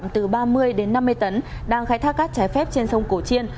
từ ba mươi đến năm mươi tấn đang khai thác cát trái phép trên sông cổ chiên